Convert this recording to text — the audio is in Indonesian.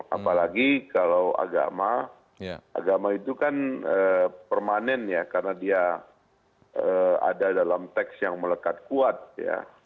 apalagi kalau agama agama itu kan permanen ya karena dia ada dalam teks yang melekat kuat ya